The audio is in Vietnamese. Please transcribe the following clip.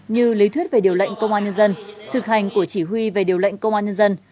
như lý thuyết về điều lệnh công an nhân dân thực hành của chỉ huy về điều lệnh công an nhân dân